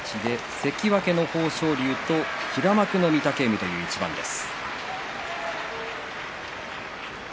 関脇の豊昇龍と平幕の御嶽海の対戦です。